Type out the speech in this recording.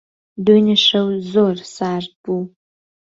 دوێنێ شەو زۆر سارد بوو.